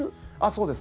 そうです。